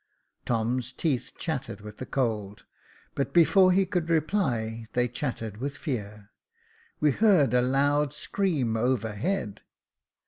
Tom's teeth chattered with the cold ; but before he could reply, they chattered with fear. We heard a loud scream overhead.